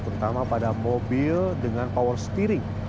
terutama pada mobil dengan power steering